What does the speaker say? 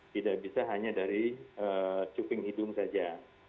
tidak bisa hanya dari cuping hidung saja